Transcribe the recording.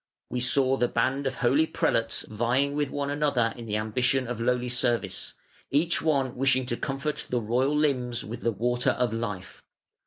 We saw the band of holy prelates vying with one another in the ambition of lowly service, each one wishing to comfort the royal limbs with the water of life.